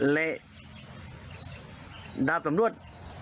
เละดาบสำรวจ